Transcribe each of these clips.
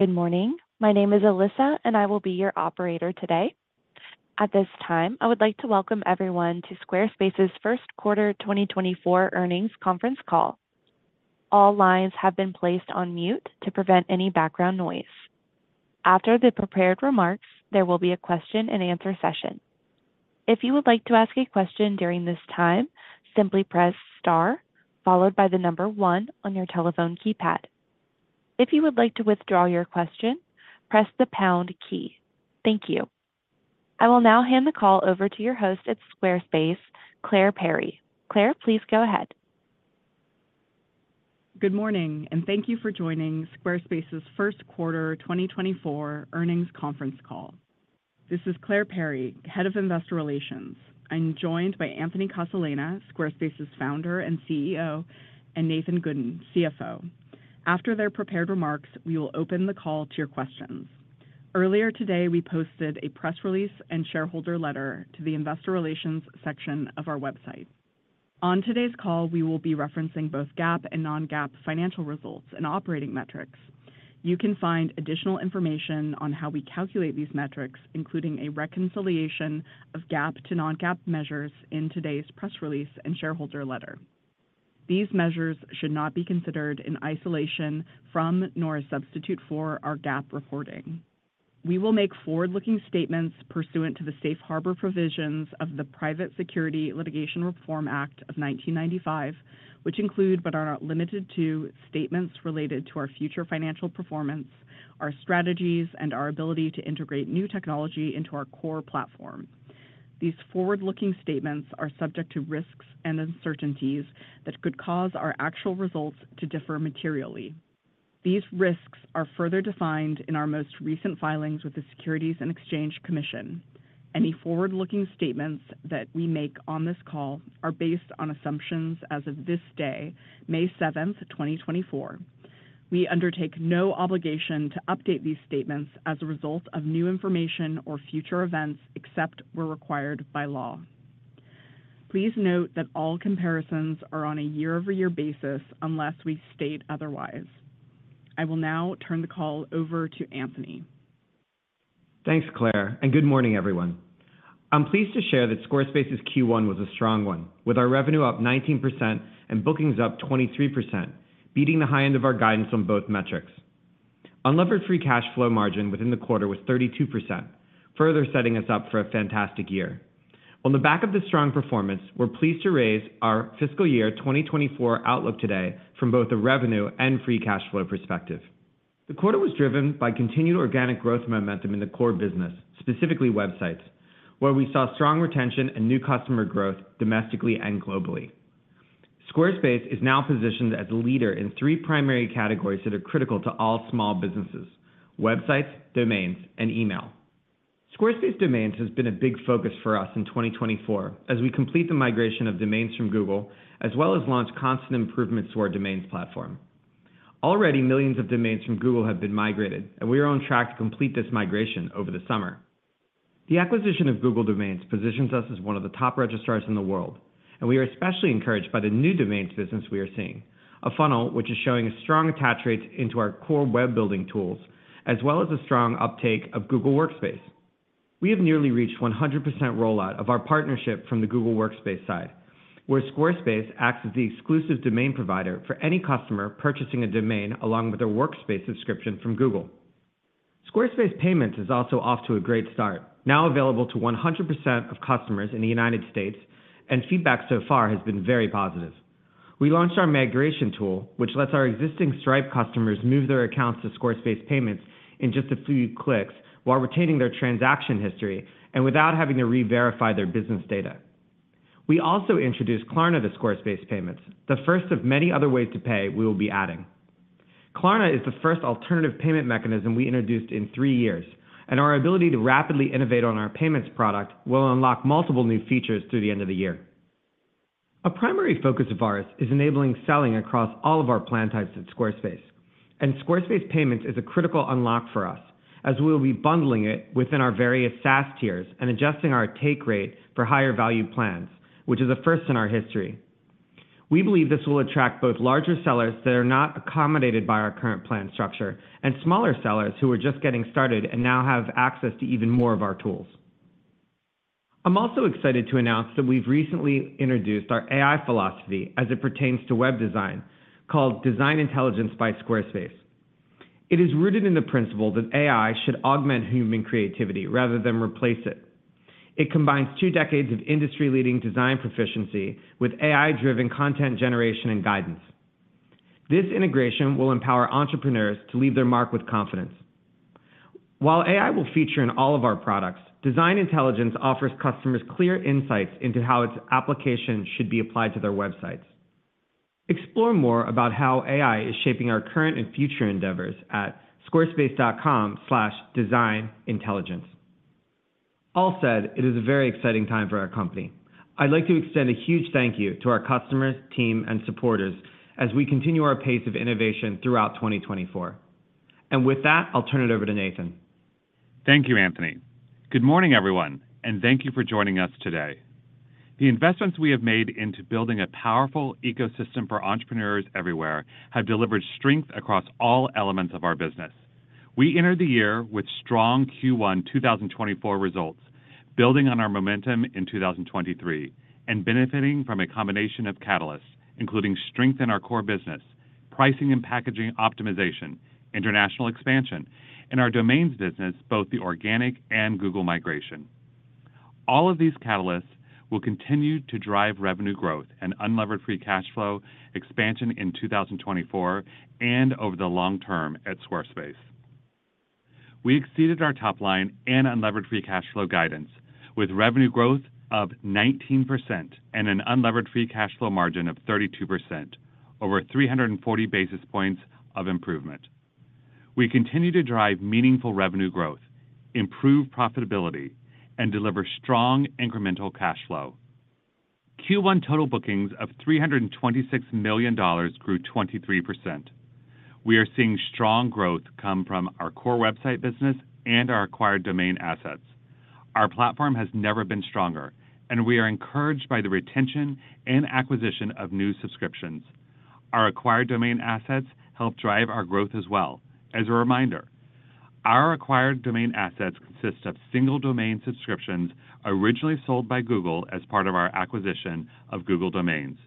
Good morning. My name is Alyssa, and I will be your operator today. At this time, I would like to welcome everyone to Squarespace's first quarter 2024 earnings conference call. All lines have been placed on mute to prevent any background noise. After the prepared remarks, there will be a question-and-answer session. If you would like to ask a question during this time, simply press star followed by the number one on your telephone keypad. If you would like to withdraw your question, press the pound key. Thank you. I will now hand the call over to your host at Squarespace, Clare Perry. Clare, please go ahead. Good morning, and thank you for joining Squarespace's first quarter 2024 earnings conference call. This is Clare Perry, Head of Investor Relations. I'm joined by Anthony Casalena, Squarespace's Founder and CEO, and Nathan Gooden, CFO. After their prepared remarks, we will open the call to your questions. Earlier today, we posted a press release and shareholder letter to the investor relations section of our website. On today's call, we will be referencing both GAAP and non-GAAP financial results and operating metrics. You can find additional information on how we calculate these metrics, including a reconciliation of GAAP to non-GAAP measures in today's press release and shareholder letter. These measures should not be considered in isolation from nor a substitute for our GAAP reporting. We will make forward-looking statements pursuant to the Safe Harbor provisions of the Private Securities Litigation Reform Act of 1995, which include but are not limited to statements related to our future financial performance, our strategies, and our ability to integrate new technology into our core platform. These forward-looking statements are subject to risks and uncertainties that could cause our actual results to differ materially. These risks are further defined in our most recent filings with the Securities and Exchange Commission. Any forward-looking statements that we make on this call are based on assumptions as of this day, May 7, 2024. We undertake no obligation to update these statements as a result of new information or future events except we're required by law. Please note that all comparisons are on a year-over-year basis unless we state otherwise. I will now turn the call over to Anthony. Thanks, Clare, and good morning, everyone. I'm pleased to share that Squarespace's Q1 was a strong one, with our revenue up 19% and bookings up 23%, beating the high end of our guidance on both metrics. Unlevered free cash flow margin within the quarter was 32%, further setting us up for a fantastic year. On the back of this strong performance, we're pleased to raise our fiscal year 2024 outlook today from both a revenue and free cash flow perspective. The quarter was driven by continued organic growth momentum in the core business, specifically websites, where we saw strong retention and new customer growth domestically and globally. Squarespace is now positioned as a leader in three primary categories that are critical to all small businesses: websites, domains, and email. Squarespace Domains has been a big focus for us in 2024 as we complete the migration of domains from Google as well as launch constant improvements to our domains platform. Already, millions of domains from Google have been migrated, and we are on track to complete this migration over the summer. The acquisition of Google Domains positions us as one of the top registrars in the world, and we are especially encouraged by the new domains business we are seeing: a funnel which is showing a strong attach rate into our core web building tools as well as a strong uptake of Google Workspace. We have nearly reached 100% rollout of our partnership from the Google Workspace side, where Squarespace acts as the exclusive domain provider for any customer purchasing a domain along with their Workspace subscription from Google. Squarespace Payments is also off to a great start, now available to 100% of customers in the United States, and feedback so far has been very positive. We launched our migration tool, which lets our existing Stripe customers move their accounts to Squarespace Payments in just a few clicks while retaining their transaction history and without having to re-verify their business data. We also introduced Klarna to Squarespace Payments, the first of many other ways to pay we will be adding. Klarna is the first alternative payment mechanism we introduced in three years, and our ability to rapidly innovate on our payments product will unlock multiple new features through the end of the year. A primary focus of ours is enabling selling across all of our plan types at Squarespace, and Squarespace Payments is a critical unlock for us as we will be bundling it within our various SaaS tiers and adjusting our take rate for higher-value plans, which is a first in our history. We believe this will attract both larger sellers that are not accommodated by our current plan structure and smaller sellers who are just getting started and now have access to even more of our tools. I'm also excited to announce that we've recently introduced our AI philosophy as it pertains to web design, called Design Intelligence by Squarespace. It is rooted in the principle that AI should augment human creativity rather than replace it. It combines two decades of industry-leading design proficiency with AI-driven content generation and guidance. This integration will empower entrepreneurs to leave their mark with confidence. While AI will feature in all of our products, Design Intelligence offers customers clear insights into how its application should be applied to their websites. Explore more about how AI is shaping our current and future endeavors at squarespace.com/designintelligence. All said, it is a very exciting time for our company. I'd like to extend a huge thank you to our customers, team, and supporters as we continue our pace of innovation throughout 2024. And with that, I'll turn it over to Nathan. Thank you, Anthony. Good morning, everyone, and thank you for joining us today. The investments we have made into building a powerful ecosystem for entrepreneurs everywhere have delivered strength across all elements of our business. We entered the year with strong Q1 2024 results, building on our momentum in 2023, and benefiting from a combination of catalysts, including strength in our core business, pricing and packaging optimization, international expansion, and our domains business, both the organic and Google migration. All of these catalysts will continue to drive revenue growth and unlevered free cash flow expansion in 2024 and over the long term at Squarespace. We exceeded our top line and unlevered free cash flow guidance with revenue growth of 19% and an unlevered free cash flow margin of 32%, over 340 basis points of improvement. We continue to drive meaningful revenue growth, improve profitability, and deliver strong incremental cash flow. Q1 total bookings of $326 million grew 23%. We are seeing strong growth come from our core website business and our acquired domain assets. Our platform has never been stronger, and we are encouraged by the retention and acquisition of new subscriptions. Our acquired domain assets help drive our growth as well. As a reminder, our acquired domain assets consist of single domain subscriptions originally sold by Google as part of our acquisition of Google Domains.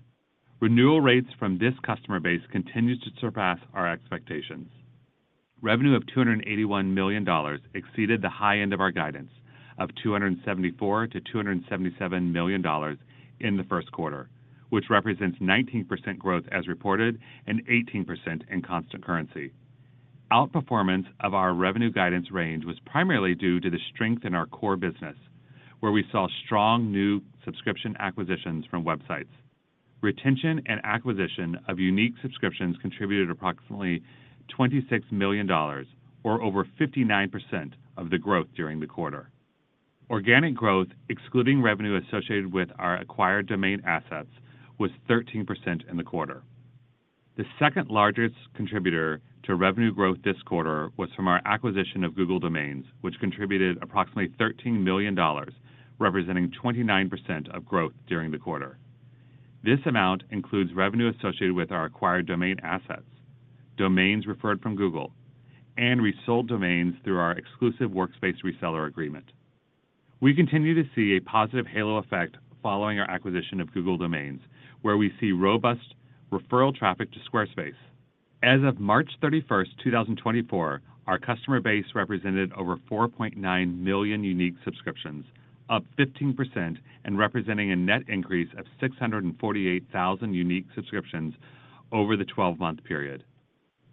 Renewal rates from this customer base continue to surpass our expectations. Revenue of $281 million exceeded the high end of our guidance of $274-$277 million in the first quarter, which represents 19% growth as reported and 18% in constant currency. Outperformance of our revenue guidance range was primarily due to the strength in our core business, where we saw strong new subscription acquisitions from websites. Retention and acquisition of unique subscriptions contributed approximately $26 million, or over 59% of the growth during the quarter. Organic growth, excluding revenue associated with our acquired domain assets, was 13% in the quarter. The second largest contributor to revenue growth this quarter was from our acquisition of Google Domains, which contributed approximately $13 million, representing 29% of growth during the quarter. This amount includes revenue associated with our acquired domain assets, domains referred from Google, and resold domains through our exclusive Workspace reseller agreement. We continue to see a positive halo effect following our acquisition of Google Domains, where we see robust referral traffic to Squarespace. As of March 31, 2024, our customer base represented over 4.9 million unique subscriptions, up 15% and representing a net increase of 648,000 unique subscriptions over the 12-month period.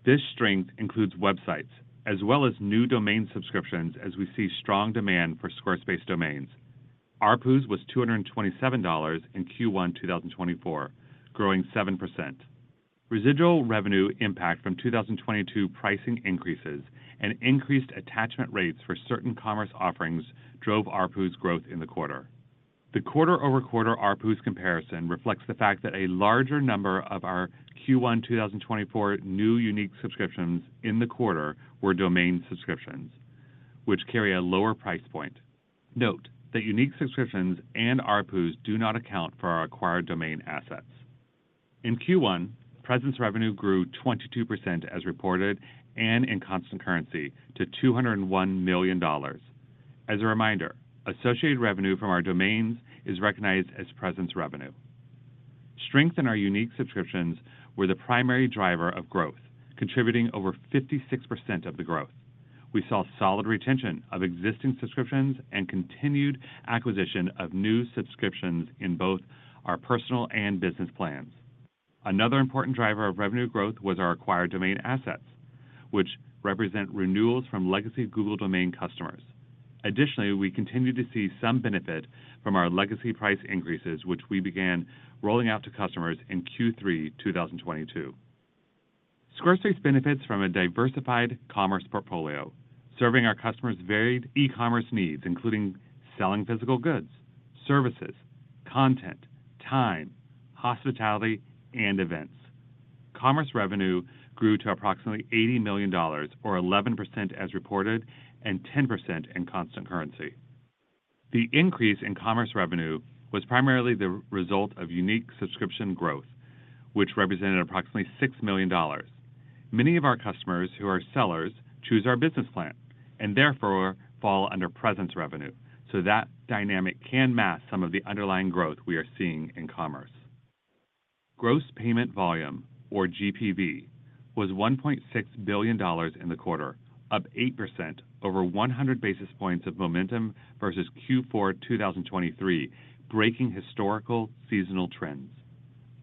This strength includes websites as well as new domain subscriptions as we see strong demand for Squarespace Domains. ARPUS was $227 in Q1 2024, growing 7%. Residual revenue impact from 2022 pricing increases and increased attachment rates for certain commerce offerings drove ARPUs growth in the quarter. The quarter-over-quarter ARPUs comparison reflects the fact that a larger number of our Q1 2024 new unique subscriptions in the quarter were domain subscriptions, which carry a lower price point. Note that unique subscriptions and ARPUs do not account for our acquired domain assets. In Q1, presence revenue grew 22% as reported and in constant currency to $201 million. As a reminder, associated revenue from our domains is recognized as presence revenue. Strength in our unique subscriptions were the primary driver of growth, contributing over 56% of the growth. We saw solid retention of existing subscriptions and continued acquisition of new subscriptions in both our personal and business plans. Another important driver of revenue growth was our acquired domain assets, which represent renewals from legacy Google domain customers. Additionally, we continue to see some benefit from our legacy price increases, which we began rolling out to customers in Q3 2022. Squarespace benefits from a diversified commerce portfolio, serving our customers' varied e-commerce needs, including selling physical goods, services, content, time, hospitality, and events. Commerce revenue grew to approximately $80 million, or 11% as reported and 10% in constant currency. The increase in commerce revenue was primarily the result of unique subscription growth, which represented approximately $6 million. Many of our customers who are sellers choose our business plan and therefore fall under presence revenue, so that dynamic can mask some of the underlying growth we are seeing in commerce. Gross payment volume, or GPV, was $1.6 billion in the quarter, up 8% over 100 basis points of momentum versus Q4 2023, breaking historical seasonal trends.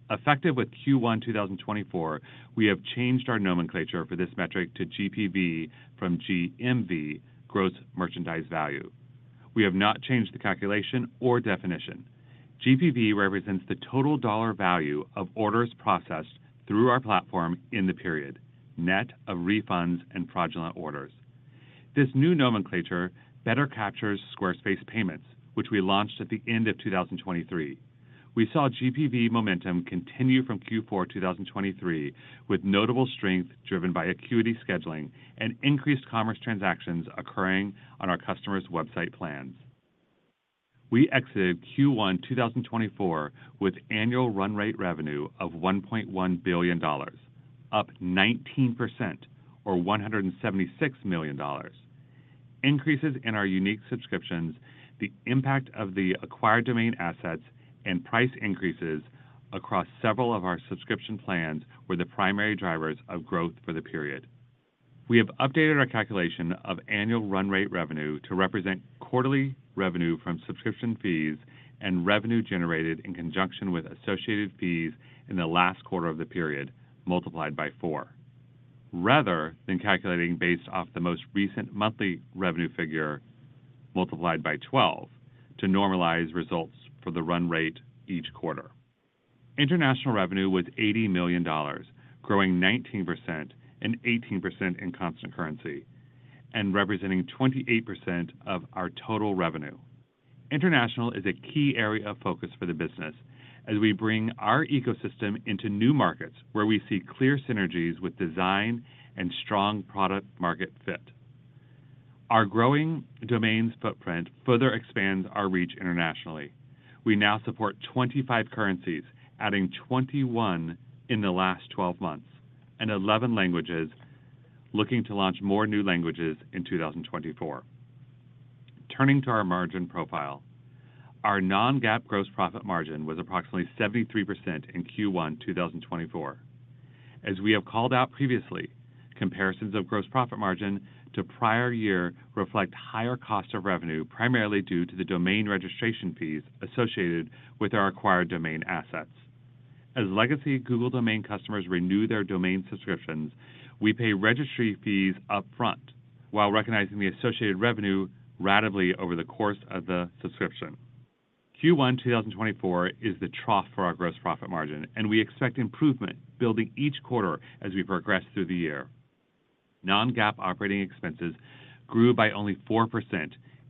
Effective with Q1 2024, we have changed our nomenclature for this metric to GPV from GMV, Gross Merchandise Value. We have not changed the calculation or definition. GPV represents the total dollar value of orders processed through our platform in the period, net of refunds and fraudulent orders. This new nomenclature better captures Squarespace Payments, which we launched at the end of 2023. We saw GPV momentum continue from Q4 2023 with notable strength driven by Acuity Scheduling and increased commerce transactions occurring on our customers' website plans. We exited Q1 2024 with annual run rate revenue of $1.1 billion, up 19% or $176 million. Increases in our unique subscriptions, the impact of the acquired domain assets, and price increases across several of our subscription plans were the primary drivers of growth for the period. We have updated our calculation of annual run rate revenue to represent quarterly revenue from subscription fees and revenue generated in conjunction with associated fees in the last quarter of the period multiplied by four, rather than calculating based off the most recent monthly revenue figure multiplied by 12 to normalize results for the run rate each quarter. International revenue was $80 million, growing 19% and 18% in constant currency and representing 28% of our total revenue. International is a key area of focus for the business as we bring our ecosystem into new markets where we see clear synergies with design and strong product-market fit. Our growing domains footprint further expands our reach internationally. We now support 25 currencies, adding 21 in the last 12 months, and 11 languages, looking to launch more new languages in 2024. Turning to our margin profile, our non-GAAP gross profit margin was approximately 73% in Q1 2024. As we have called out previously, comparisons of gross profit margin to prior year reflect higher cost of revenue primarily due to the domain registration fees associated with our Acquired Domain Assets. As legacy Google domain customers renew their domain subscriptions, we pay registry fees upfront while recognizing the associated revenue rapidly over the course of the subscription. Q1 2024 is the trough for our gross profit margin, and we expect improvement building each quarter as we progress through the year. Non-GAAP operating expenses grew by only 4%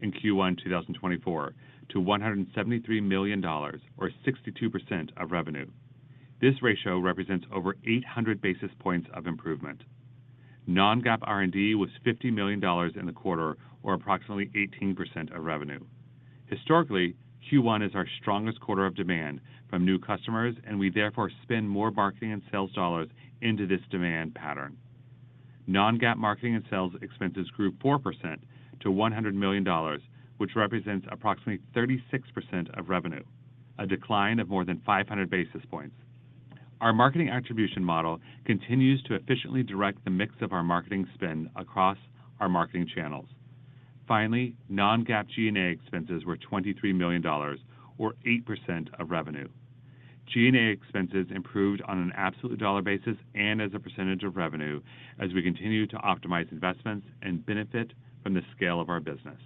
in Q1 2024 to $173 million, or 62% of revenue. This ratio represents over 800 basis points of improvement. Non-GAAP R&D was $50 million in the quarter, or approximately 18% of revenue. Historically, Q1 is our strongest quarter of demand from new customers, and we therefore spend more marketing and sales dollars into this demand pattern. Non-GAAP marketing and sales expenses grew 4% to $100 million, which represents approximately 36% of revenue, a decline of more than 500 basis points. Our marketing attribution model continues to efficiently direct the mix of our marketing spend across our marketing channels. Finally, Non-GAAP G&A expenses were $23 million, or 8% of revenue. G&A expenses improved on an absolute dollar basis and as a percentage of revenue as we continue to optimize investments and benefit from the scale of our business.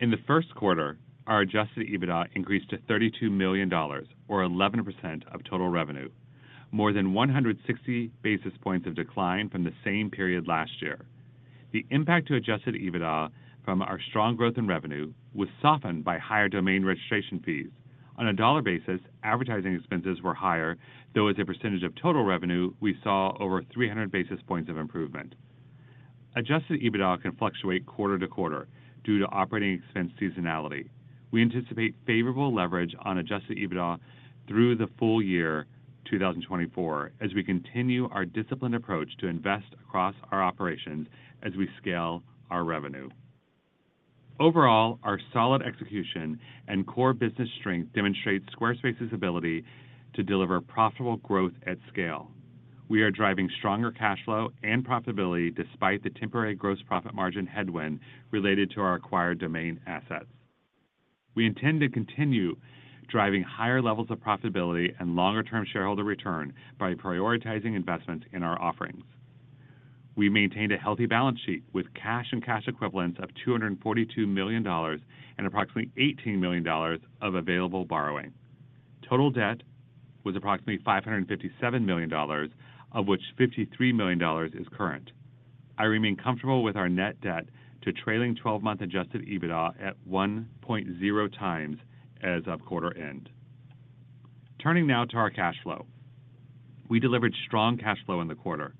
In the first quarter, our Adjusted EBITDA increased to $32 million, or 11% of total revenue, more than 160 basis points of decline from the same period last year. The impact to Adjusted EBITDA from our strong growth in revenue was softened by higher domain registration fees. On a dollar basis, advertising expenses were higher, though as a percentage of total revenue, we saw over 300 basis points of improvement. Adjusted EBITDA can fluctuate quarter to quarter due to operating expense seasonality. We anticipate favorable leverage on Adjusted EBITDA through the full year 2024 as we continue our disciplined approach to invest across our operations as we scale our revenue. Overall, our solid execution and core business strength demonstrate Squarespace's ability to deliver profitable growth at scale. We are driving stronger cash flow and profitability despite the temporary gross profit margin headwind related to our acquired domain assets. We intend to continue driving higher levels of profitability and longer-term shareholder return by prioritizing investments in our offerings. We maintained a healthy balance sheet with cash and cash equivalents of $242 million and approximately $18 million of available borrowing. Total debt was approximately $557 million, of which $53 million is current. I remain comfortable with our net debt trailing 12-month Adjusted EBITDA at 1.0x as of quarter end. Turning now to our cash flow, we delivered strong cash flow in the quarter,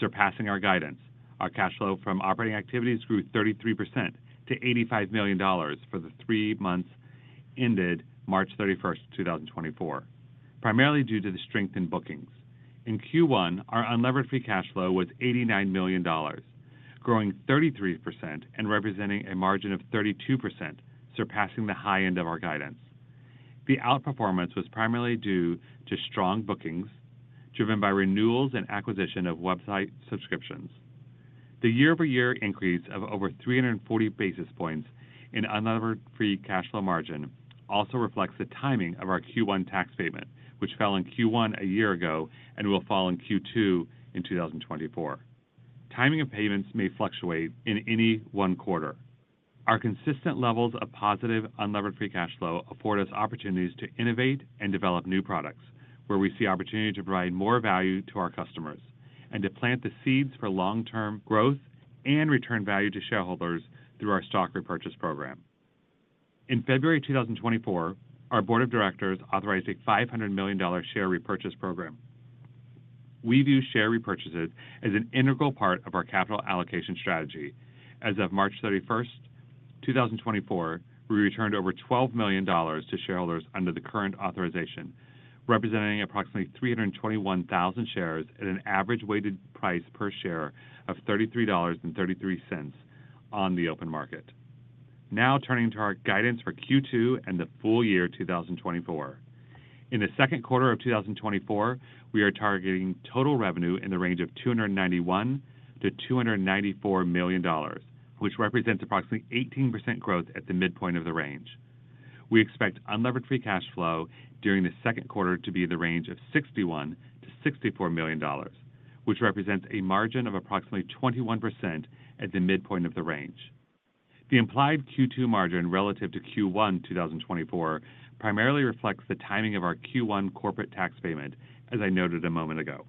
surpassing our guidance. Our cash flow from operating activities grew 33% to $85 million for the three months ended March 31, 2024, primarily due to the strengthened bookings. In Q1, our Unlevered Free Cash Flow was $89 million, growing 33% and representing a margin of 32%, surpassing the high end of our guidance. The outperformance was primarily due to strong bookings driven by renewals and acquisition of website subscriptions. The year-over-year increase of over 340 basis points in unlevered free cash flow margin also reflects the timing of our Q1 tax payment, which fell in Q1 a year ago and will fall in Q2 in 2024. Timing of payments may fluctuate in any one quarter. Our consistent levels of positive unlevered free cash flow afford us opportunities to innovate and develop new products, where we see opportunity to provide more value to our customers and to plant the seeds for long-term growth and return value to shareholders through our stock repurchase program. In February 2024, our board of directors authorized a $500 million share repurchase program. We view share repurchases as an integral part of our capital allocation strategy. As of March 31, 2024, we returned over $12 million to shareholders under the current authorization, representing approximately 321,000 shares at an average weighted price per share of $33.33 on the open market. Now turning to our guidance for Q2 and the full year 2024. In the second quarter of 2024, we are targeting total revenue in the range of $291-$294 million, which represents approximately 18% growth at the midpoint of the range. We expect unlevered free cash flow during the second quarter to be in the range of $61-$64 million, which represents a margin of approximately 21% at the midpoint of the range. The implied Q2 margin relative to Q1 2024 primarily reflects the timing of our Q1 corporate tax payment, as I noted a moment ago.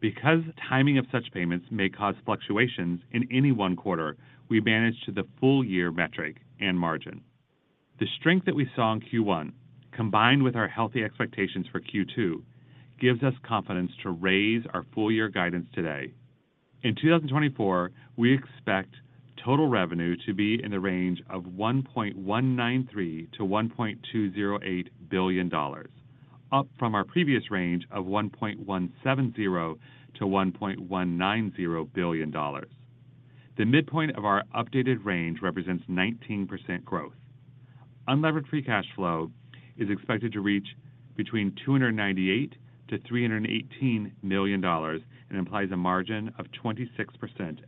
Because timing of such payments may cause fluctuations in any one quarter, we managed to the full year metric and margin. The strength that we saw in Q1, combined with our healthy expectations for Q2, gives us confidence to raise our full year guidance today. In 2024, we expect total revenue to be in the range of $1.193-$1.208 billion, up from our previous range of $1.170-$1.190 billion. The midpoint of our updated range represents 19% growth. Unlevered Free Cash Flow is expected to reach between $298-$318 million and implies a margin of 26%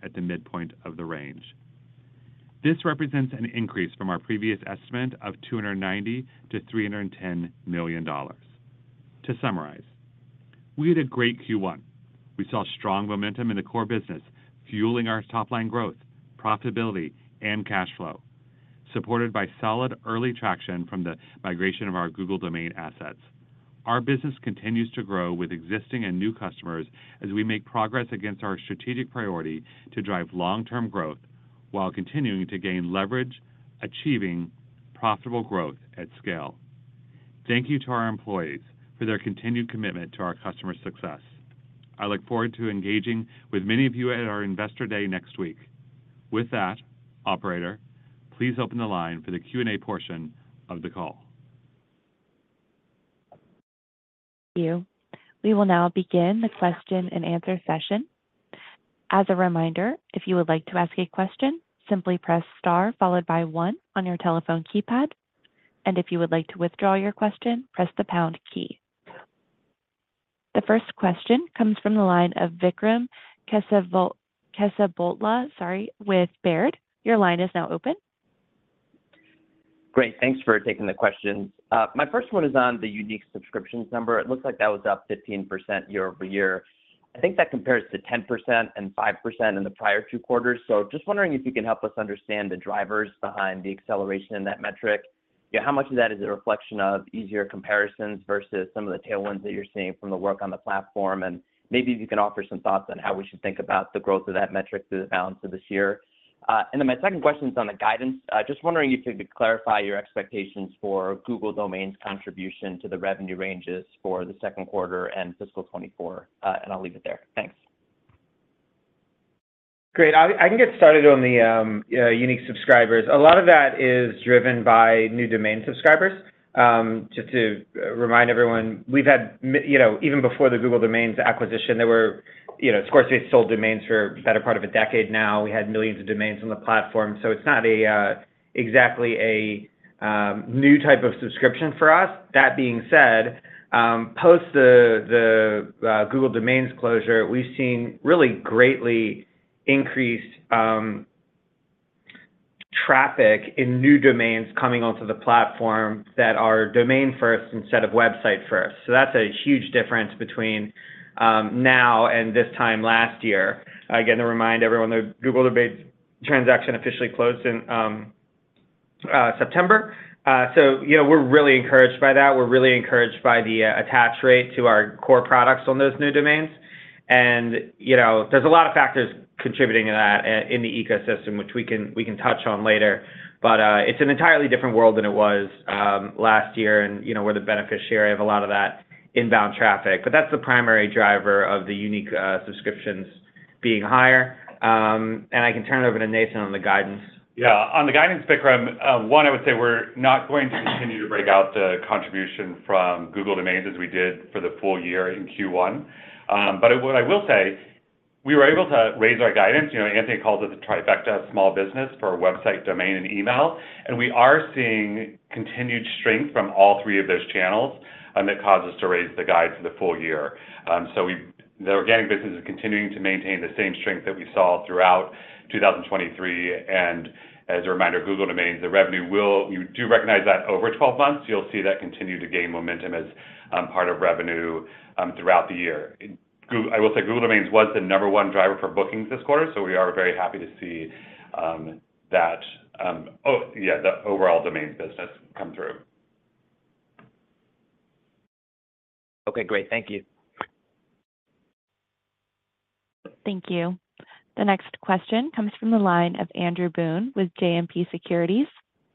at the midpoint of the range. This represents an increase from our previous estimate of $290-$310 million. To summarize, we had a great Q1. We saw strong momentum in the core business fueling our top-line growth, profitability, and cash flow, supported by solid early traction from the migration of our Google domain assets. Our business continues to grow with existing and new customers as we make progress against our strategic priority to drive long-term growth while continuing to gain leverage, achieving profitable growth at scale. Thank you to our employees for their continued commitment to our customer success. I look forward to engaging with many of you at our Investor Day next week. With that, operator, please open the line for the Q&A portion of the call. Thank you. We will now begin the question-and-answer session. As a reminder, if you would like to ask a question, simply press star followed by one on your telephone keypad. And if you would like to withdraw your question, press the pound key. The first question comes from the line of Vikram Kesavabhotla with Baird. Your line is now open. Great. Thanks for taking the questions. My first one is on the unique subscriptions number. It looks like that was up 15% year-over-year. I think that compares to 10% and 5% in the prior two quarters. So just wondering if you can help us understand the drivers behind the acceleration in that metric. How much of that is a reflection of easier comparisons versus some of the tailwinds that you're seeing from the work on the platform? And maybe if you can offer some thoughts on how we should think about the growth of that metric through the balance of this year. And then my second question is on the guidance. Just wondering if you could clarify your expectations for Google Domains' contribution to the revenue ranges for the second quarter and fiscal 2024. And I'll leave it there. Thanks. Great. I can get started on the unique subscribers. A lot of that is driven by new domain subscribers. Just to remind everyone, even before the Google Domains acquisition, Squarespace sold domains for the better part of a decade now. We had millions of domains on the platform. So it's not exactly a new type of subscription for us. That being said, post the Google Domains closure, we've seen really greatly increased traffic in new domains coming onto the platform that are domain-first instead of website-first. So that's a huge difference between now and this time last year. Again, to remind everyone, the Google Domains transaction officially closed in September. So we're really encouraged by that. We're really encouraged by the attach rate to our core products on those new domains. And there's a lot of factors contributing to that in the ecosystem, which we can touch on later. But it's an entirely different world than it was last year, and we're the beneficiary of a lot of that inbound traffic. But that's the primary driver of the unique subscriptions being higher. And I can turn it over to Nathan on the guidance. Yeah. On the guidance, Vikram, one, I would say we're not going to continue to break out the contribution from Google Domains as we did for the full year in Q1. But what I will say, we were able to raise our guidance. Anthony calls it the trifecta: small business for a website, domain, and email. And we are seeing continued strength from all three of those channels that causes us to raise the guidance for the full year. So the organic business is continuing to maintain the same strength that we saw throughout 2023. And as a reminder, Google Domains, the revenue, we'll recognize that over 12 months. You'll see that continue to gain momentum as part of revenue throughout the year. I will say Google Domains was the number one driver for bookings this quarter. We are very happy to see that, yeah, the overall domains business come through. Okay. Great. Thank you. Thank you. The next question comes from the line of Andrew Boone with JMP Securities.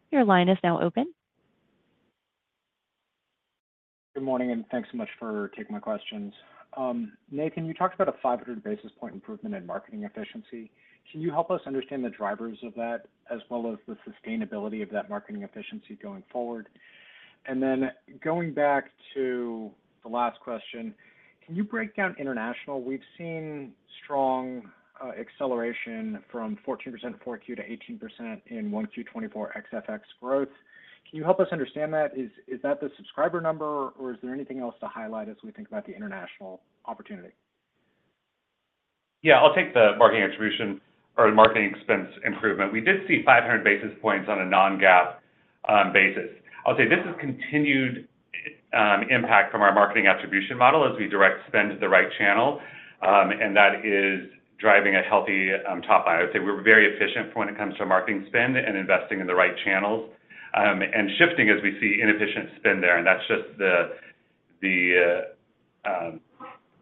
Your line is now open. Good morning, and thanks so much for taking my questions. Nathan, you talked about a 500 basis point improvement in marketing efficiency. Can you help us understand the drivers of that as well as the sustainability of that marketing efficiency going forward? And then going back to the last question, can you break down international? We've seen strong acceleration from 14% 4Q to 18% in 1Q 2024 XFX growth. Can you help us understand that? Is that the subscriber number, or is there anything else to highlight as we think about the international opportunity? Yeah. I'll take the marketing attribution or marketing expense improvement. We did see 500 basis points on a non-GAAP basis. I'll say this is continued impact from our marketing attribution model as we direct spend to the right channel. And that is driving a healthy top line. I would say we're very efficient when it comes to marketing spend and investing in the right channels and shifting as we see inefficient spend there. And that's just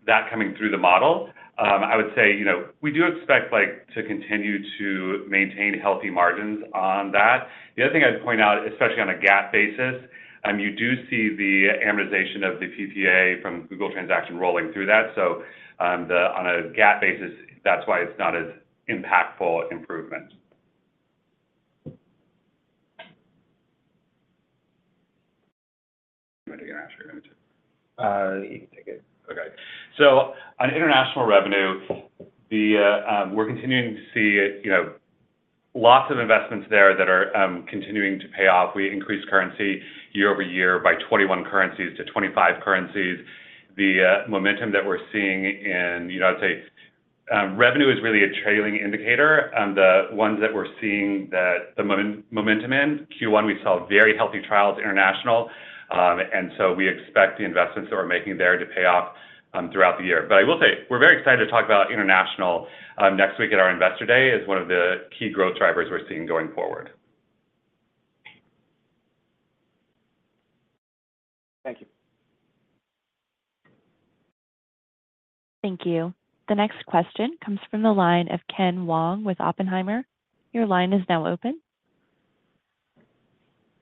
that coming through the model. I would say we do expect to continue to maintain healthy margins on that. The other thing I'd point out, especially on a GAAP basis, you do see the amortization of the PPA from Google Transaction rolling through that. So on a GAAP basis, that's why it's not as impactful improvement. You want to take an answer or not? You can take it. Okay. So on international revenue, we're continuing to see lots of investments there that are continuing to pay off. We increased currency year over year by 21 currencies to 25 currencies. The momentum that we're seeing in I'd say revenue is really a trailing indicator. The ones that we're seeing the momentum in, Q1, we saw very healthy trials international. And so we expect the investments that we're making there to pay off throughout the year. But I will say we're very excited to talk about international next week at our Investor Day as one of the key growth drivers we're seeing going forward. Thank you. Thank you. The next question comes from the line of Ken Wong with Oppenheimer. Your line is now open.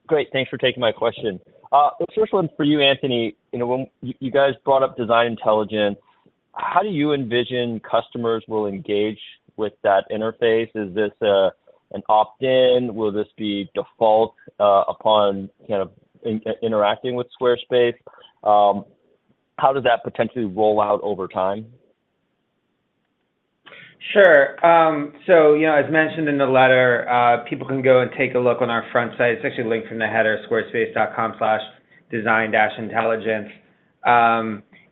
Great. Thanks for taking my question. The first one for you, Anthony. You guys brought up Design Intelligence. How do you envision customers will engage with that interface? Is this an opt-in? Will this be default upon kind of interacting with Squarespace? How does that potentially roll out over time? Sure. So as mentioned in the letter, people can go and take a look on our front site. It's actually linked from the header, Squarespace.com/design-intelligence.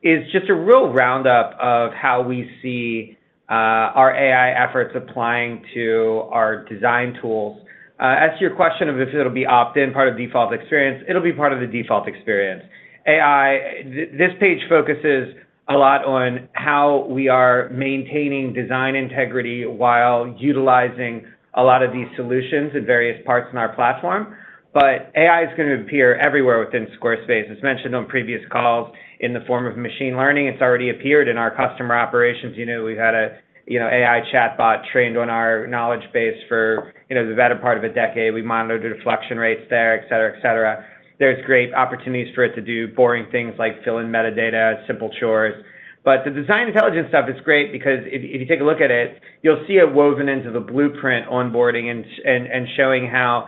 It's just a real roundup of how we see our AI efforts applying to our design tools. As to your question of if it'll be opt-in, part of default experience, it'll be part of the default experience. This page focuses a lot on how we are maintaining design integrity while utilizing a lot of these solutions in various parts in our platform. But AI is going to appear everywhere within Squarespace. As mentioned on previous calls, in the form of machine learning, it's already appeared in our customer operations. We've had an AI chatbot trained on our knowledge base for the better part of a decade. We monitored deflection rates there, etc., etc. There's great opportunities for it to do boring things like fill in metadata, simple chores. But the Design Intelligence stuff is great because if you take a look at it, you'll see it woven into the Blueprint onboarding and showing how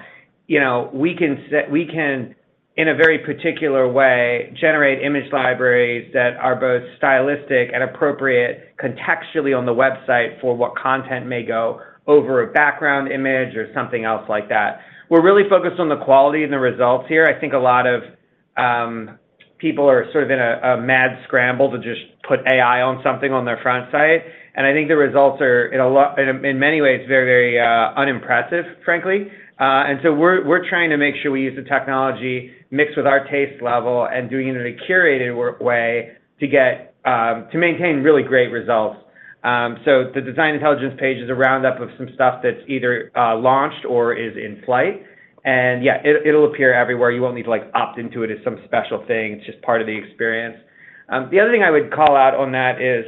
we can, in a very particular way, generate image libraries that are both stylistic and appropriate contextually on the website for what content may go over a background image or something else like that. We're really focused on the quality and the results here. I think a lot of people are sort of in a mad scramble to just put AI on something on their front site. And I think the results are, in many ways, very, very unimpressive, frankly. And so we're trying to make sure we use the technology mixed with our taste level and doing it in a curated way to maintain really great results. So the Design Intelligence page is a roundup of some stuff that's either launched or is in flight. And yeah, it'll appear everywhere. You won't need to opt into it as some special thing. It's just part of the experience. The other thing I would call out on that is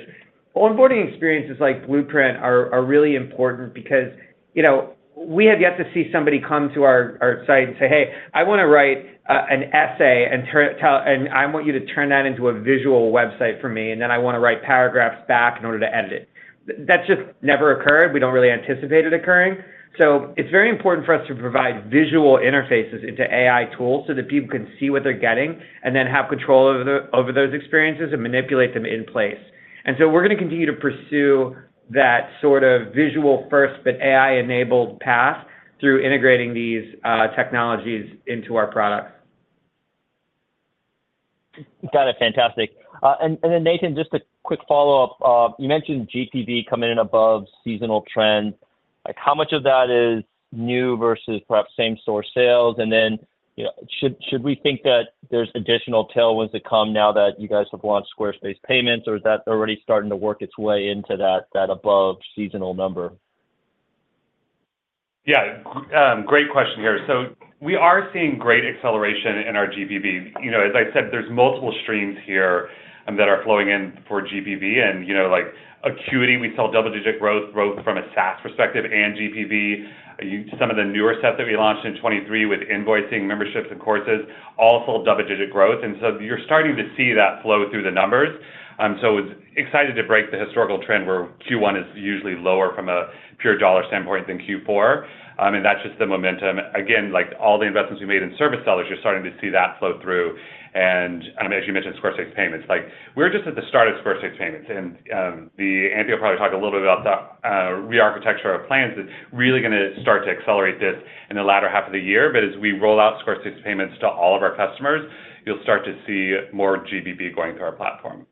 onboarding experiences like blueprint are really important because we have yet to see somebody come to our site and say, "Hey, I want to write an essay, and I want you to turn that into a visual website for me. And then I want to write paragraphs back in order to edit it." That's just never occurred. We don't really anticipate it occurring. So it's very important for us to provide visual interfaces into AI tools so that people can see what they're getting and then have control over those experiences and manipulate them in place. We're going to continue to pursue that sort of visual-first but AI-enabled path through integrating these technologies into our products. Got it. Fantastic. And then, Nathan, just a quick follow-up. You mentioned GPV coming in above seasonal trends. How much of that is new versus perhaps same-source sales? And then should we think that there's additional tailwinds to come now that you guys have launched Squarespace Payments, or is that already starting to work its way into that above-seasonal number? Yeah. Great question here. So we are seeing great acceleration in our GPV. As I said, there's multiple streams here that are flowing in for GPV. And Acuity, we saw double-digit growth, both from a SaaS perspective and GPV. Some of the newer stuff that we launched in 2023 with invoicing, memberships, and courses all saw double-digit growth. And so you're starting to see that flow through the numbers. So I was excited to break the historical trend where Q1 is usually lower from a pure dollar standpoint than Q4. And that's just the momentum. Again, all the investments we made in service sellers, you're starting to see that flow through. And as you mentioned, Squarespace Payments. We're just at the start of Squarespace Payments. Anthony will probably talk a little bit about the rearchitecture of plans that's really going to start to accelerate this in the latter half of the year. But as we roll out Squarespace Payments to all of our customers, you'll start to see more GPV going through our platform.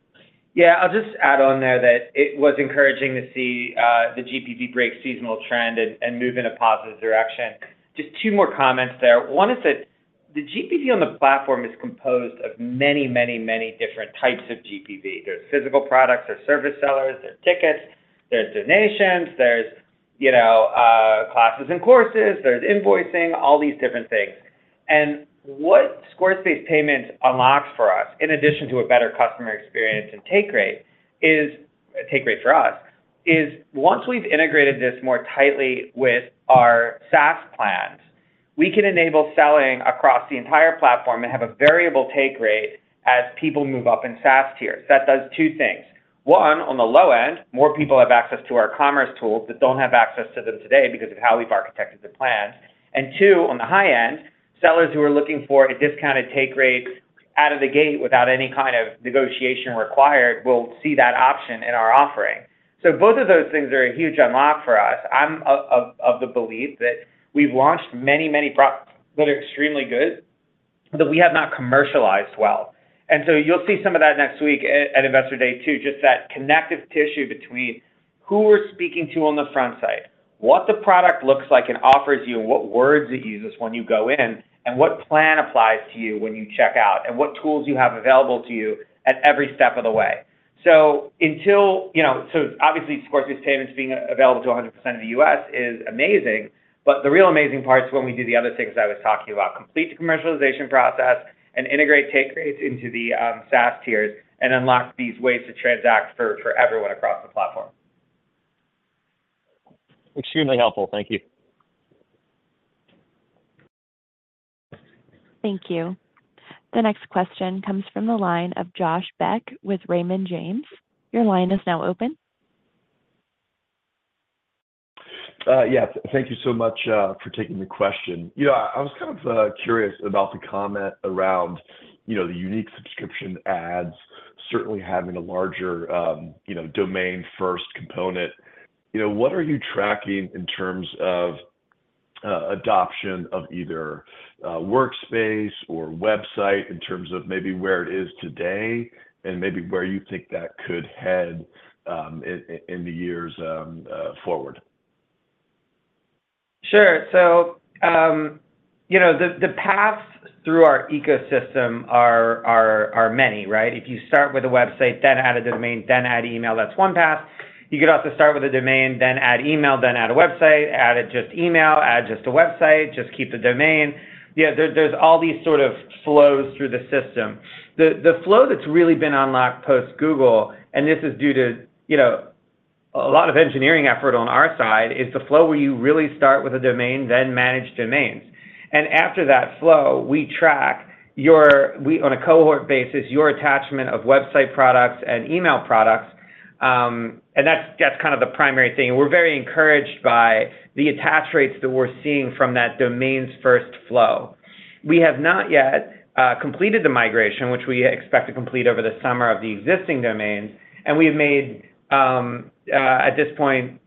Yeah. I'll just add on there that it was encouraging to see the GPV break seasonal trend and move in a positive direction. Just two more comments there. One is that the GPV on the platform is composed of many, many, many different types of GPV. There's physical products. There's service sellers. There's tickets. There's donations. There's classes and courses. There's invoicing, all these different things. What Squarespace Payments unlocks for us, in addition to a better customer experience and take rate for us, is once we've integrated this more tightly with our SaaS plans, we can enable selling across the entire platform and have a variable take rate as people move up in SaaS tiers. That does two things. One, on the low end, more people have access to our commerce tools that don't have access to them today because of how we've architected the plans. Two, on the high end, sellers who are looking for a discounted take rate out of the gate without any kind of negotiation required will see that option in our offering. So both of those things are a huge unlock for us. I'm of the belief that we've launched many, many products that are extremely good that we have not commercialized well. And so you'll see some of that next week at Investor Day too, just that connective tissue between who we're speaking to on the front site, what the product looks like and offers you, and what words it uses when you go in, and what plan applies to you when you check out, and what tools you have available to you at every step of the way. So obviously, Squarespace Payments being available to 100% of the U.S. is amazing. But the real amazing part is when we do the other things I was talking about, complete the commercialization process and integrate take rates into the SaaS tiers and unlock these ways to transact for everyone across the platform. Extremely helpful. Thank you. Thank you. The next question comes from the line of Josh Beck with Raymond James. Your line is now open. Yeah. Thank you so much for taking the question. I was kind of curious about the comment around the unique subscription adds, certainly having a larger domain-first component. What are you tracking in terms of adoption of either Workspace or website in terms of maybe where it is today and maybe where you think that could head in the years forward? Sure. So the paths through our ecosystem are many, right? If you start with a website, then add a domain, then add email, that's one path. You could also start with a domain, then add email, then add a website, add just email, add just a website, just keep the domain. Yeah. There's all these sort of flows through the system. The flow that's really been unlocked post-Google - and this is due to a lot of engineering effort on our side - is the flow where you really start with a domain, then manage domains. And after that flow, we track, on a cohort basis, your attachment of website products and email products. And that's kind of the primary thing. And we're very encouraged by the attach rates that we're seeing from that domains-first flow. We have not yet completed the migration, which we expect to complete over the summer of the existing domains. And we've made, at this point,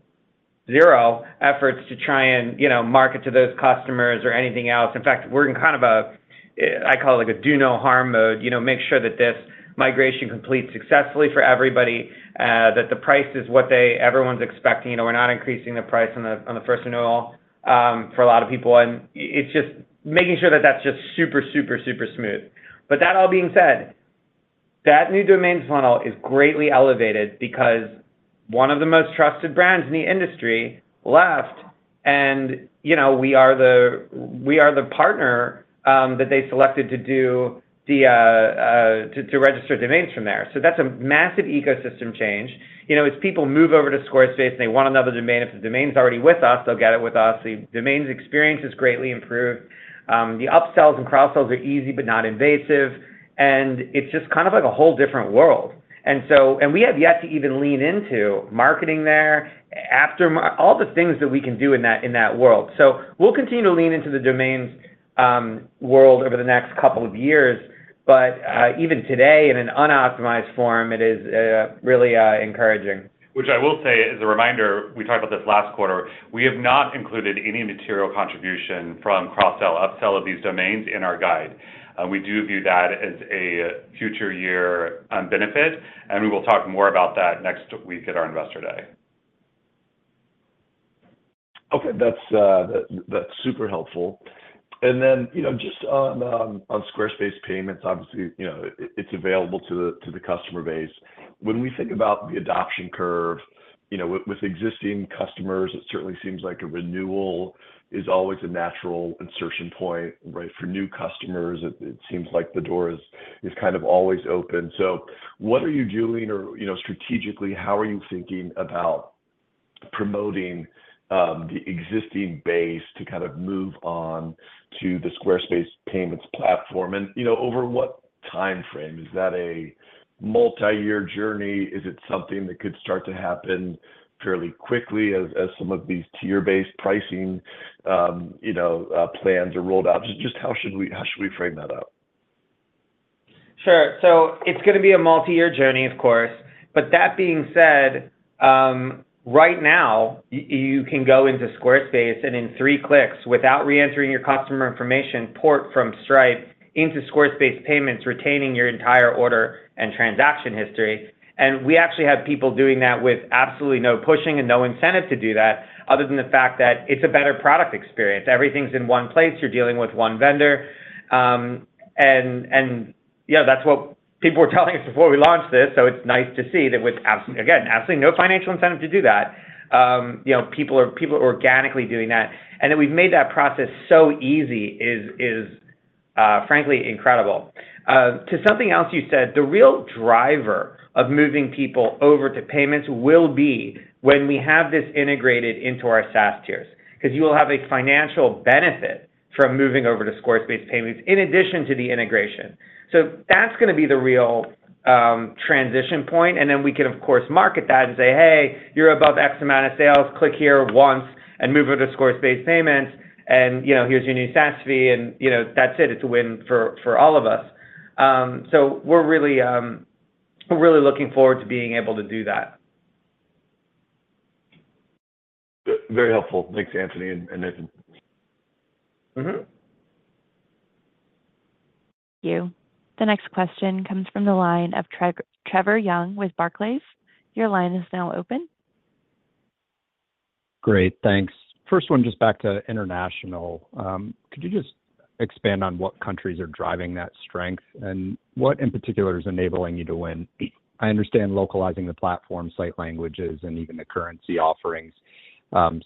zero efforts to try and market to those customers or anything else. In fact, we're in kind of a - I call it - a do-no-harm mode, make sure that this migration completes successfully for everybody, that the price is what everyone's expecting. We're not increasing the price on the first and all for a lot of people. And it's just making sure that that's just super, super, super smooth. But that all being said, that new domains funnel is greatly elevated because one of the most trusted brands in the industry left. And we are the partner that they selected to register domains from there. So that's a massive ecosystem change. As people move over to Squarespace and they want another domain, if the domain's already with us, they'll get it with us. The domains experience is greatly improved. The upsells and cross-sells are easy but not invasive. It's just kind of a whole different world. We have yet to even lean into marketing there, all the things that we can do in that world. We'll continue to lean into the domains world over the next couple of years. Even today, in an unoptimized form, it is really encouraging. Which I will say, as a reminder, we talked about this last quarter. We have not included any material contribution from cross-sell, upsell of these domains in our guide. We do view that as a future-year benefit. We will talk more about that next week at our Investor Day. Okay. That's super helpful. And then just on Squarespace Payments, obviously, it's available to the customer base. When we think about the adoption curve, with existing customers, it certainly seems like a renewal is always a natural insertion point, right? For new customers, it seems like the door is kind of always open. So what are you doing? Or strategically, how are you thinking about promoting the existing base to kind of move on to the Squarespace Payments platform? And over what time frame? Is that a multi-year journey? Is it something that could start to happen fairly quickly as some of these tier-based pricing plans are rolled out? Just how should we frame that up? Sure. So it's going to be a multi-year journey, of course. But that being said, right now, you can go into Squarespace and, in three clicks, without reentering your customer information, port from Stripe into Squarespace Payments, retaining your entire order and transaction history. And we actually have people doing that with absolutely no pushing and no incentive to do that, other than the fact that it's a better product experience. Everything's in one place. You're dealing with one vendor. And yeah, that's what people were telling us before we launched this. So it's nice to see that, again, absolutely no financial incentive to do that. People are organically doing that. And that we've made that process so easy is, frankly, incredible. To something else you said, the real driver of moving people over to payments will be when we have this integrated into our SaaS tiers because you will have a financial benefit from moving over to Squarespace Payments in addition to the integration. So that's going to be the real transition point. And then we can, of course, market that and say, "Hey, you're above X amount of sales. Click here once and move over to Squarespace Payments. And here's your new SaaS fee." And that's it. It's a win for all of us. So we're really looking forward to being able to do that. Very helpful. Thanks, Anthony and Nathan. Thank you. The next question comes from the line of Trevor Young with Barclays. Your line is now open. Great. Thanks. First one, just back to international. Could you just expand on what countries are driving that strength and what, in particular, is enabling you to win? I understand localizing the platform, site languages, and even the currency offerings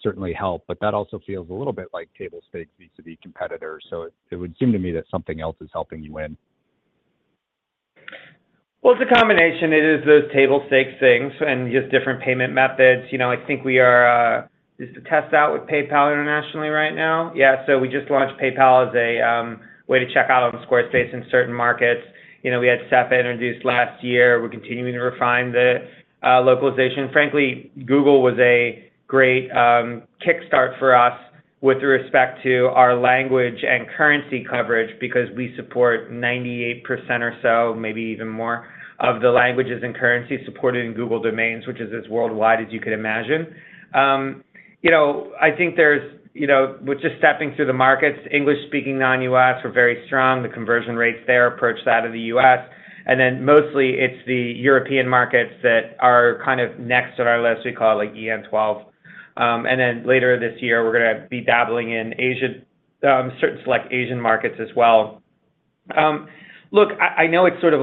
certainly help. But that also feels a little bit like table stakes vis-à-vis competitors. So it would seem to me that something else is helping you win. Well, it's a combination. It is those table stakes things and just different payment methods. I think we are just to test out with PayPal internationally right now. Yeah. So we just launched PayPal as a way to check out on Squarespace in certain markets. We had SEPA introduced last year. We're continuing to refine the localization. Frankly, Google was a great kickstart for us with respect to our language and currency coverage because we support 98% or so, maybe even more, of the languages and currencies supported in Google Domains, which is as worldwide as you could imagine. I think there's with just stepping through the markets, English-speaking non-US were very strong. The conversion rates there approached that of the US. Then mostly, it's the European markets that are kind of next on our list. We call it EN12. And then later this year, we're going to be dabbling in certain select Asian markets as well. Look, I know it's sort of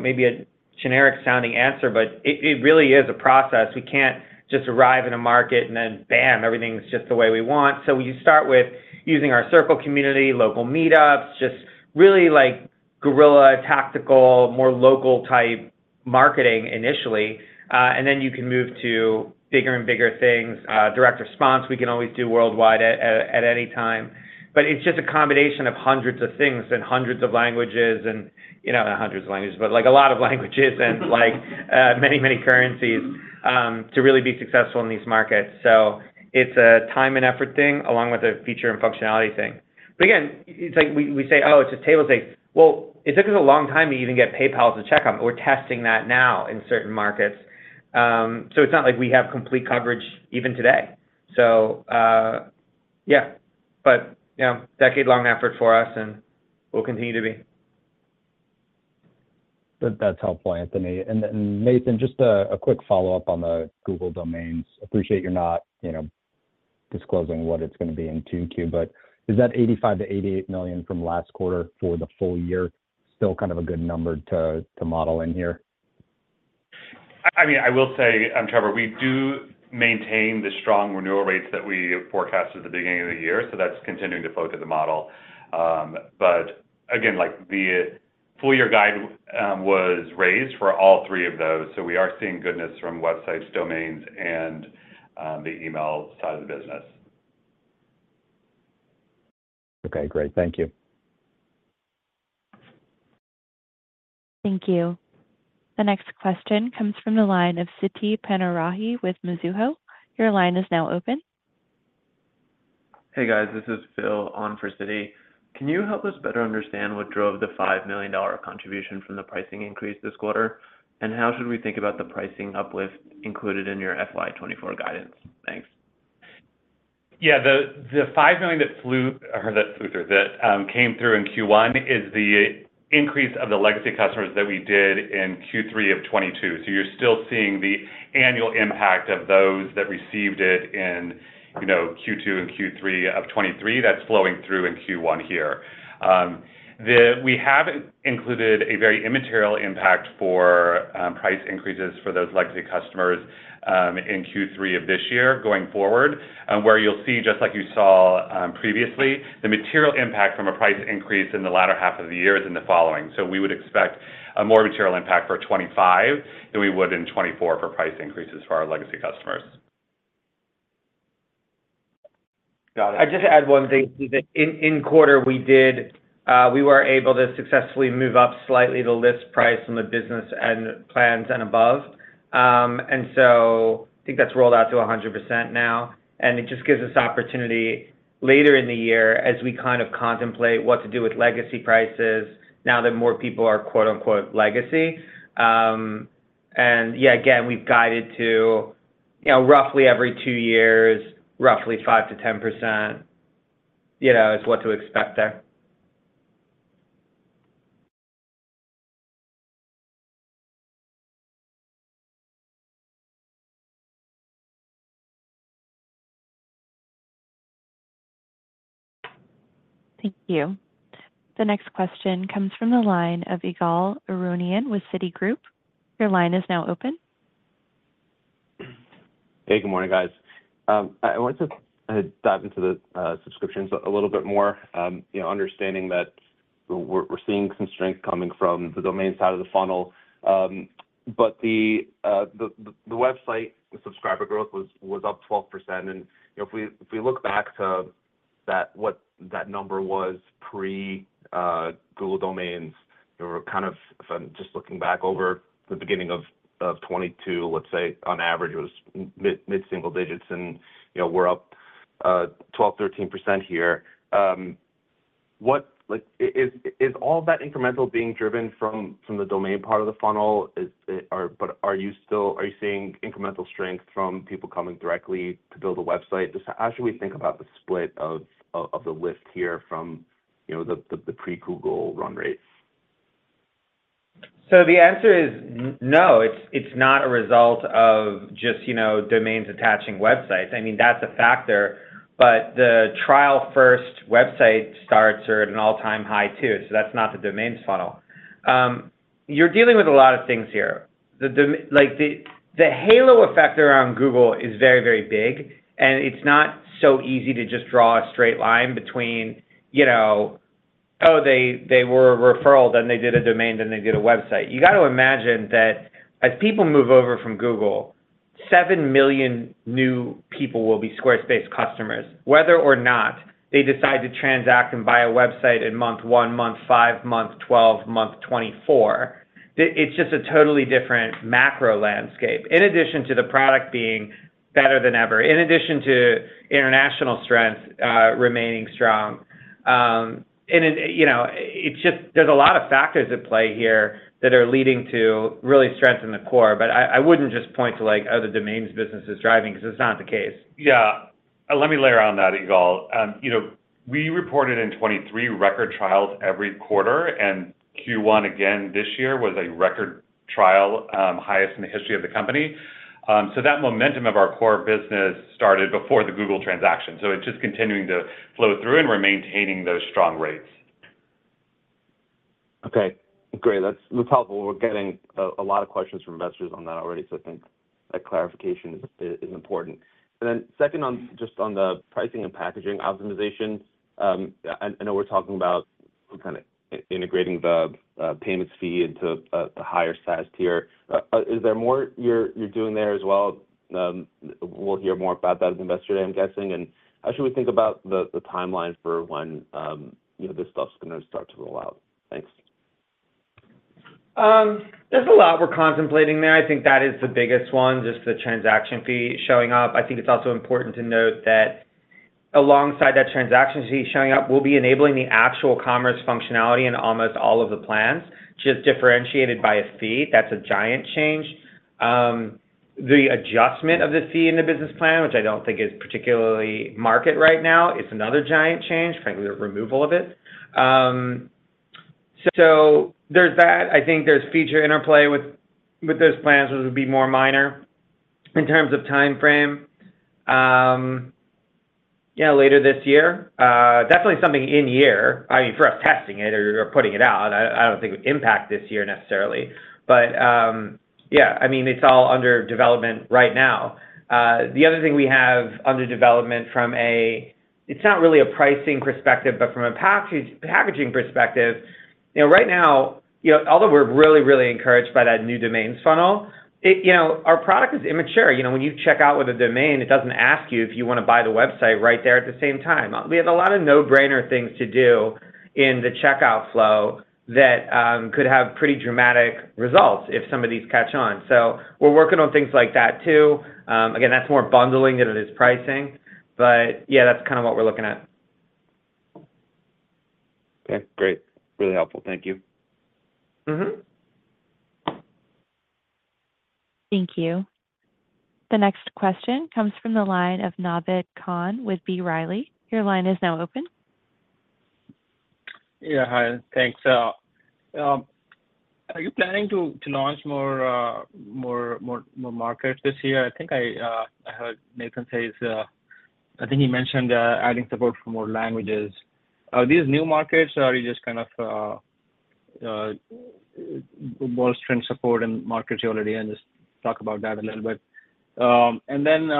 maybe a generic-sounding answer, but it really is a process. We can't just arrive in a market and then, bam, everything's just the way we want. So we start with using our Circle community, local meetups, just really guerrilla, tactical, more local-type marketing initially. And then you can move to bigger and bigger things, direct response. We can always do worldwide at any time. But it's just a combination of hundreds of things and hundreds of languages and not hundreds of languages, but a lot of languages and many, many currencies to really be successful in these markets. So it's a time and effort thing along with a feature and functionality thing. But again, it's like we say, "Oh, it's just table stakes." Well, it took us a long time to even get PayPal to check on it. We're testing that now in certain markets. So it's not like we have complete coverage even today. So yeah. But yeah, decade-long effort for us, and we'll continue to be. That's helpful, Anthony. And Nathan, just a quick follow-up on the Google Domains. Appreciate you're not disclosing what it's going to be in 2Q. But is that $85 million-$88 million from last quarter for the full year still kind of a good number to model in here? I mean, I will say, Trevor, we do maintain the strong renewal rates that we forecasted at the beginning of the year. So that's continuing to float in the model. But again, the full-year guide was raised for all three of those. So we are seeing goodness from websites, domains, and the email side of the business. Okay. Great. Thank you. Thank you. The next question comes from the line of Siti Panigrahi from Mizuho. Your line is now open. Hey, guys. This is Phil on for siti. Can you help us better understand what drove the $5 million contribution from the pricing increase this quarter? And how should we think about the pricing uplift included in your FY 2024 guidance? Thanks. Yeah. The $5 million that flew or that flew through, that came through in Q1 is the increase of the legacy customers that we did in Q3 of 2022. So you're still seeing the annual impact of those that received it in Q2 and Q3 of 2023 that's flowing through in Q1 here. We haven't included a very immaterial impact for price increases for those legacy customers in Q3 of this year going forward, where you'll see, just like you saw previously, the material impact from a price increase in the latter half of the year is in the following. So we would expect a more material impact for 2025 than we would in 2024 for price increases for our legacy customers. Got it. I'd just add one thing to that. In quarter, we were able to successfully move up slightly the list price on the business plans and above. And so I think that's rolled out to 100% now. And it just gives us opportunity later in the year as we kind of contemplate what to do with legacy prices now that more people are "legacy." And yeah, again, we've guided to roughly every two years, roughly 5%-10% is what to expect there. Thank you. The next question comes from the line of Ygal Arounian with Citi. Your line is now open. Hey. Good morning, guys. I wanted to dive into the subscriptions a little bit more, understanding that we're seeing some strength coming from the domain side of the funnel. But the website, the subscriber growth was up 12%. And if we look back to what that number was pre-Google Domains, we were kind of if I'm just looking back over the beginning of 2022, let's say, on average, it was mid-single digits. And we're up 12%-13% here. Is all of that incremental being driven from the domain part of the funnel? But are you seeing incremental strength from people coming directly to build a website? Just how should we think about the split of the lift here from the pre-Google run rates? So the answer is no. It's not a result of just domains attaching websites. I mean, that's a factor. But the trial-first website starts at an all-time high too. So that's not the domains funnel. You're dealing with a lot of things here. The halo effect around Google is very, very big. And it's not so easy to just draw a straight line between, "Oh, they were a referral, then they did a domain, then they did a website." You got to imagine that as people move over from Google, 7 million new people will be Squarespace customers, whether or not they decide to transact and buy a website in month one, month five, month 12, month 24. It's just a totally different macro landscape, in addition to the product being better than ever, in addition to international strength remaining strong. There's a lot of factors at play here that are leading to really strength in the core. But I wouldn't just point to, "Oh, the domains business is driving," because that's not the case. Yeah. Let me layer on that, ygal. We reported in 2023 record trials every quarter. Q1, again, this year was a record trial highest in the history of the company. That momentum of our core business started before the Google transaction. It's just continuing to flow through and we're maintaining those strong rates. Okay. Great. That's helpful. We're getting a lot of questions from investors on that already. So I think that clarification is important. And then second, just on the pricing and packaging optimization, I know we're talking about kind of integrating the payments fee into the higher-sized tier. Is there more you're doing there as well? We'll hear more about that at the Investor Day, I'm guessing. And how should we think about the timeline for when this stuff's going to start to roll out? Thanks. There's a lot we're contemplating there. I think that is the biggest one, just the transaction fee showing up. I think it's also important to note that alongside that transaction fee showing up, we'll be enabling the actual commerce functionality in almost all of the plans, just differentiated by a fee. That's a giant change. The adjustment of the fee in the business plan, which I don't think is particularly market right now, is another giant change, frankly, the removal of it. So. So there's that. I think there's feature interplay with those plans, which would be more minor in terms of time frame, yeah, later this year. Definitely something in-year. I mean, for us testing it or putting it out, I don't think it would impact this year necessarily. But yeah, I mean, it's all under development right now. The other thing we have under development from a, it's not really a pricing perspective, but from a packaging perspective, right now, although we're really, really encouraged by that new domains funnel, our product is immature. When you check out with a domain, it doesn't ask you if you want to buy the website right there at the same time. We have a lot of no-brainer things to do in the checkout flow that could have pretty dramatic results if some of these catch on. So we're working on things like that too. Again, that's more bundling than it is pricing. But yeah, that's kind of what we're looking at. Okay. Great. Really helpful. Thank you. Thank you. The next question comes from the line of Naved Khan with B. Riley. Your line is now open. Yeah. Hi. Thanks. Are you planning to launch more markets this year? I think I heard Nathan say he's I think he mentioned adding support for more languages. Are these new markets, or are you just kind of bolstering support in markets you already are and just talk about that a little bit? And then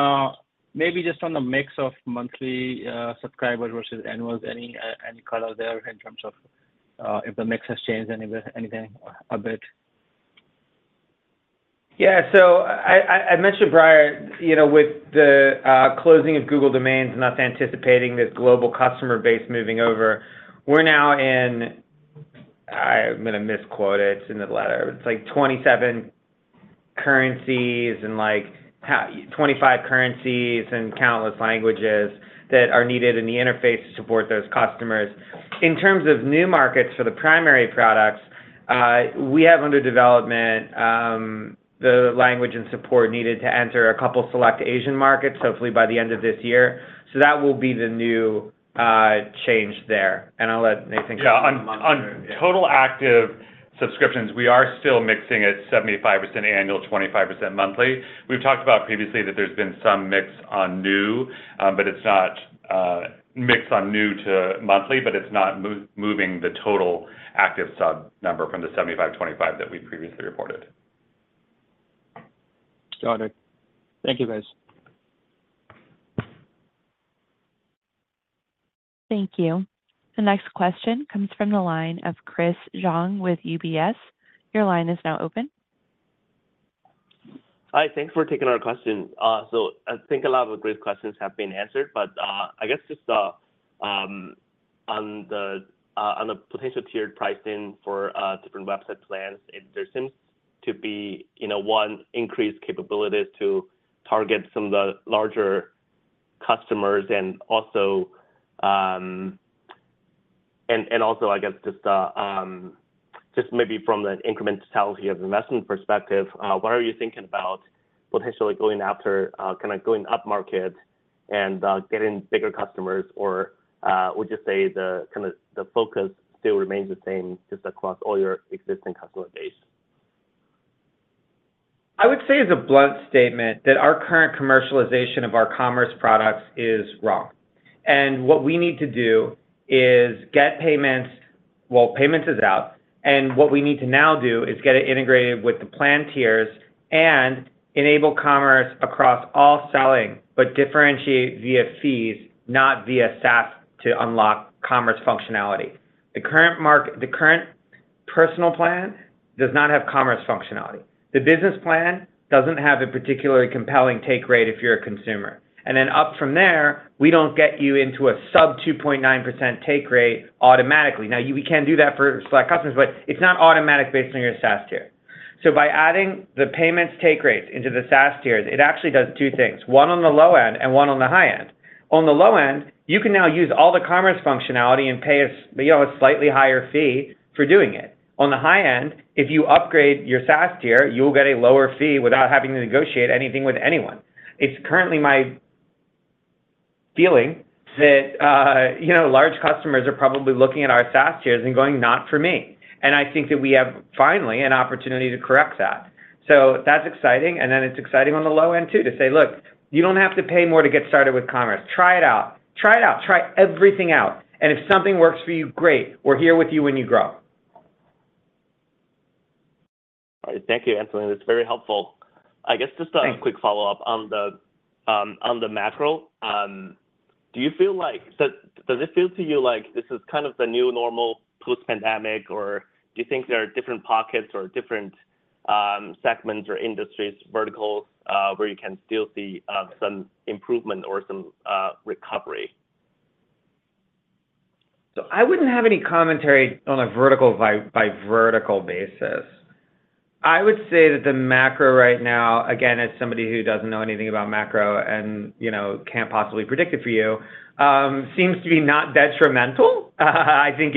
maybe just on the mix of monthly subscribers versus annuals, any color there in terms of if the mix has changed anything a bit? Yeah. So I mentioned prior, with the closing of Google Domains and us anticipating this global customer base moving over, we're now in—I'm going to misquote it in the letter. It's like 25 currencies and countless languages that are needed in the interface to support those customers. In terms of new markets for the primary products, we have under development the language and support needed to enter a couple select Asian markets, hopefully, by the end of this year. So that will be the new change there. And I'll let Nathan go on for a minute. Yeah. On total active subscriptions, we are still mixing at 75% annual, 25% monthly. We've talked about previously that there's been some mix on new, but it's not mix on new to monthly. But it's not moving the total active sub number from the 75%-25% that we previously reported. Got it. Thank you, guys. Thank you. The next question comes from the line of Chris Zhang with UBS. Your line is now open. Hi. Thanks for taking our question. So I think a lot of great questions have been answered. But I guess just on the potential tiered pricing for different website plans, there seems to be, one, increased capabilities to target some of the larger customers. And also, I guess, just maybe from the incrementality of investment perspective, what are you thinking about potentially kind of going upmarket and getting bigger customers? Or would you say the kind of focus still remains the same just across all your existing customer base? I would say, as a blunt statement, that our current commercialization of our commerce products is wrong. And what we need to do is get payments. Well, payments is out. And what we need to now do is get it integrated with the plan tiers and enable commerce across all selling, but differentiate via fees, not via SaaS to unlock commerce functionality. The current personal plan does not have commerce functionality. The business plan doesn't have a particularly compelling take rate if you're a consumer. And then up from there, we don't get you into a sub-2.9% take rate automatically. Now, we can do that for select customers, but it's not automatic based on your SaaS tier. So by adding the payments take rates into the SaaS tiers, it actually does two things, one on the low end and one on the high end. On the low end, you can now use all the commerce functionality and pay a slightly higher fee for doing it. On the high end, if you upgrade your SaaS tier, you'll get a lower fee without having to negotiate anything with anyone. It's currently my feeling that large customers are probably looking at our SaaS tiers and going, "Not for me." And I think that we have, finally, an opportunity to correct that. So that's exciting. And then it's exciting on the low end too to say, "Look, you don't have to pay more to get started with commerce. Try it out. Try it out. Try everything out. And if something works for you, great. We're here with you when you grow. All right. Thank you, Anthony. That's very helpful. I guess just a quick follow-up. On the macro, do you feel like does it feel to you like this is kind of the new normal post-pandemic? Or do you think there are different pockets or different segments or industries, verticals, where you can still see some improvement or some recovery? So I wouldn't have any commentary on a vertical by vertical basis. I would say that the macro right now, again, as somebody who doesn't know anything about macro and can't possibly predict it for you, seems to be not detrimental. I think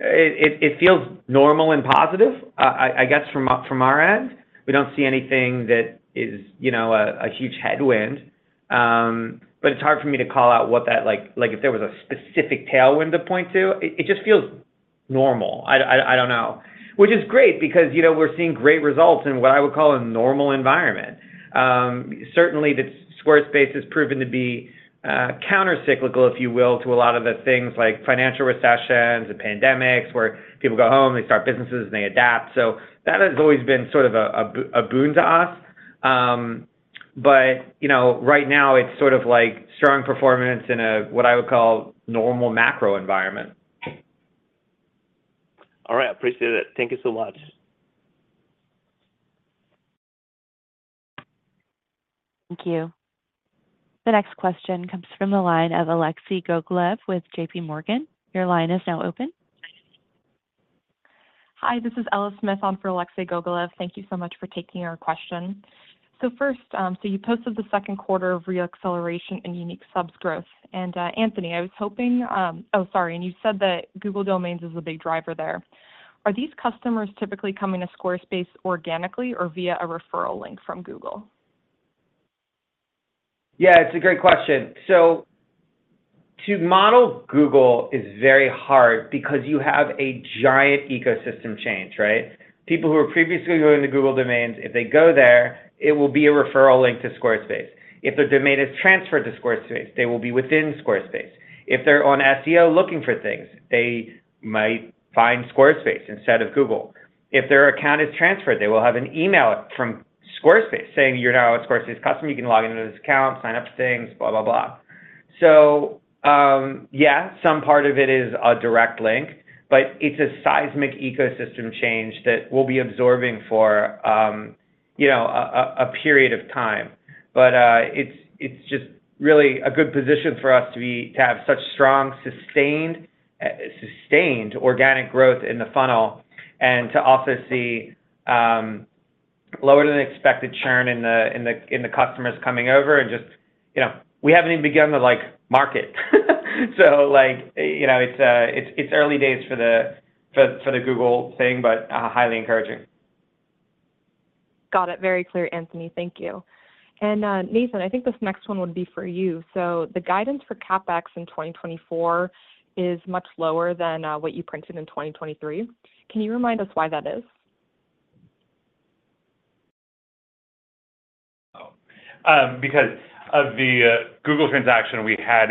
it feels normal and positive, I guess, from our end. We don't see anything that is a huge headwind. But it's hard for me to call out what that if there was a specific tailwind to point to, it just feels normal. I don't know, which is great because we're seeing great results in what I would call a normal environment. Certainly, Squarespace has proven to be countercyclical, if you will, to a lot of the things like financial recessions and pandemics where people go home, they start businesses, and they adapt. So that has always been sort of a boon to us. But right now, it's sort of strong performance in what I would call normal macro environment. All right. I appreciate it. Thank you so much. Thank you. The next question comes from the line of Alexei Gogolev with JP Morgan. Your line is now open. Hi. This is Ella Smith on for Alexei Gogolev. Thank you so much for taking our question. So first, so you posted the second quarter of re-acceleration and unique subs growth. And Anthony, I was hoping oh, sorry. And you said that Google Domains is a big driver there. Are these customers typically coming to Squarespace organically or via a referral link from Google? Yeah. It's a great question. So to model Google is very hard because you have a giant ecosystem change, right? People who are previously going to Google Domains, if they go there, it will be a referral link to Squarespace. If their domain is transferred to Squarespace, they will be within Squarespace. If they're on SEO looking for things, they might find Squarespace instead of Google. If their account is transferred, they will have an email from Squarespace saying, "You're now a Squarespace customer. You can log into this account, sign up for things, blah, blah, blah." So yeah, some part of it is a direct link. But it's a seismic ecosystem change that we'll be absorbing for a period of time. It's just really a good position for us to have such strong, sustained organic growth in the funnel and to also see lower-than-expected churn in the customers coming over. Just we haven't even begun to market. It's early days for the Google thing, but highly encouraging. Got it. Very clear, Anthony. Thank you. Nathan, I think this next one would be for you. The guidance for CapEx in 2024 is much lower than what you printed in 2023. Can you remind us why that is? Oh. Because of the Google transaction, we had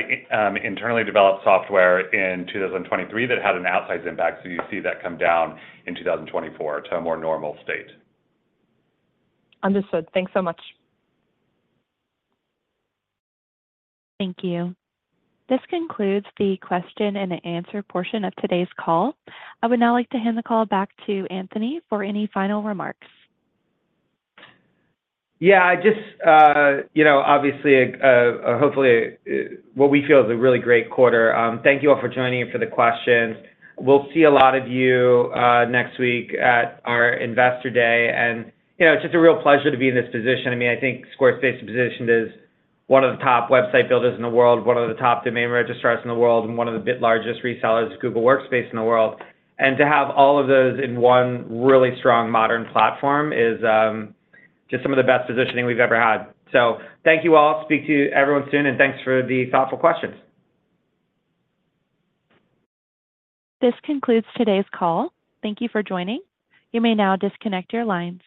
internally developed software in 2023 that had an outsize impact. So you see that come down in 2024 to a more normal state. Understood. Thanks so much. Thank you. This concludes the question-and-answer portion of today's call. I would now like to hand the call back to Anthony for any final remarks. Yeah. Obviously, hopefully, what we feel is a really great quarter. Thank you all for joining and for the questions. We'll see a lot of you next week at our Investor Day. It's just a real pleasure to be in this position. I mean, I think Squarespace is positioned as one of the top website builders in the world, one of the top domain registrars in the world, and one of the biggest resellers of Google Workspace in the world. And to have all of those in one really strong, modern platform is just some of the best positioning we've ever had. So thank you all. Speak to everyone soon. Thanks for the thoughtful questions. This concludes today's call. Thank you for joining. You may now disconnect your lines.